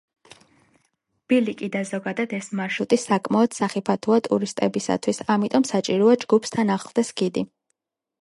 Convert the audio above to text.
ბილიკი და ზოგადად ეს მარშრუტი საკმაოდ სახიფათოა ტურისტებისთვის, ამიტომ საჭიროა ჯგუფს თან ახლდეს გიდი.